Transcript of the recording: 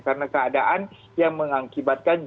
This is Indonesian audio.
karena keadaan yang mengakibatkan jiwanya terganggu